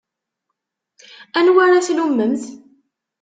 Anwa ara tlummemt?